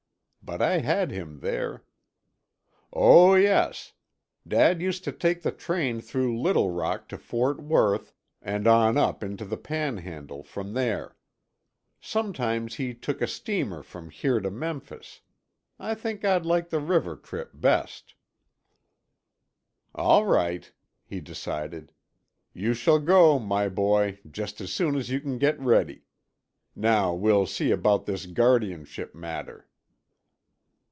But I had him there. "Oh, yes. Dad used to take the train through Little Rock to Fort Worth, and on up into the Panhandle from there. Sometimes he took a steamer from here to Memphis. I think I'd like the river trip best." "All right," he decided. "You shall go, my boy, just as soon as you can get ready. Now we'll see about this guardianship matter."